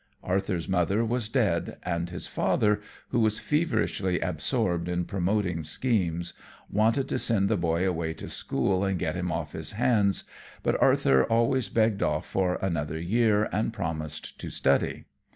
Arthur's mother was dead, and his father, who was feverishly absorbed in promoting schemes, wanted to send the boy away to school and get him off his hands; but Arthur always begged off for another year and promised to study.